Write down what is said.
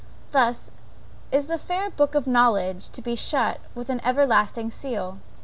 Thus is the fair book of knowledge to be shut with an everlasting seal!